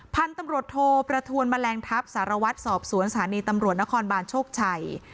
พันธุ์ตำรวจโทประทวนแมลงทัพสารวัตรสอบสวนสถานีตำรวจนครบานโชคชัย